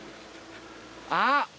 あっ。